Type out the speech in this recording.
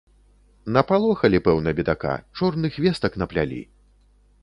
Напалохалі, пэўна, бедака, чорных вестак наплялі!